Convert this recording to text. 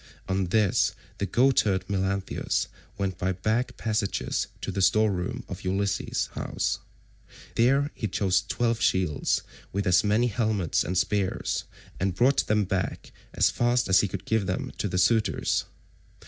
On this the goatherd Melanthius went by back passages to the store room of Ulysses' house. There he chose twelve shields, with as many helmets and spears, and brought them back as fast as he could to give them to the suitors.